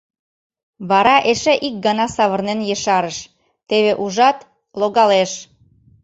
Вара эше ик гана савырнен ешарыш: — Теве ужат, логалеш!»